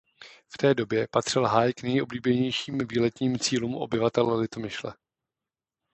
V té době patřil háj k nejoblíbenějším výletním cílům obyvatel Litomyšle.